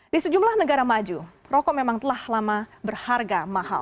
di sejumlah negara maju rokok memang telah lama berharga mahal